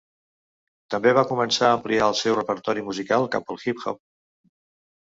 També va començar a ampliar el seu repertori musical cap al hip hop.